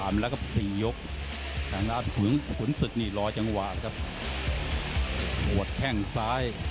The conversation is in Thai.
มีศอกกลับต้องระวังนะ